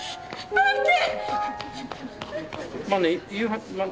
待って！